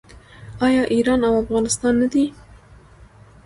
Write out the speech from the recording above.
آیا ایران او افغانستان نه دي؟